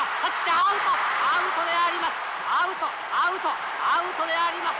アウトアウトアウトであります。